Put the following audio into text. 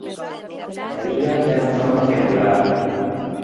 A illa ten forma triangular.